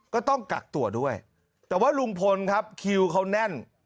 ก็ต้องกักตัวด้วยแต่ว่าลุงพลครับคิวเขาแน่น